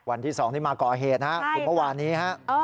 วันที่๒นี่มาก่อเหตุนะครับคุณเมื่อวานนี้ฮะ